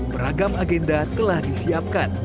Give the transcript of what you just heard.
beragam agenda telah disiapkan